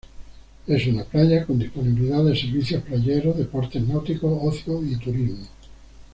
Es una playa con disponibilidad de servicios playeros, deportes náuticos, ocio y turismo.